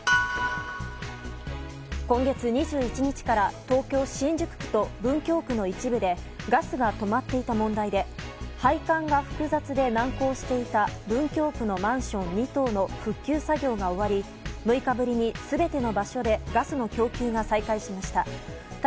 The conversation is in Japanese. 今月２１日から東京・新宿区と文京区の一部でガスが止まっていた問題で配管が複雑で難航していた文京区のマンション２棟の復旧作業が終わり６日ぶりに全ての場所でガスの供給が再開しました。